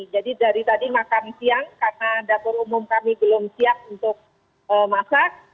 jadi dari tadi makan siang karena dapur umum kami belum siap untuk masak